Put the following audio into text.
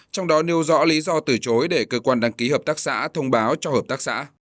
trong đó nêu rõ lý do từ chối để cơ quan đăng ký hợp tác xã thông báo cho hợp tác xã